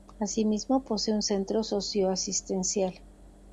Asimismo, posee un centro socio-asistencial.